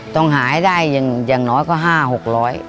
ต้องหาให้ได้อย่างน้อยก็๕๖๐๐บาท